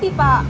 dari yati pak